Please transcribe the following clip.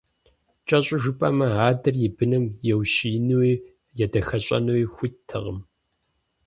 Кӏэщӏу жыпӏэмэ, адэр и быным еущиенууи, едахэщӏэнууи хуиттэкъым.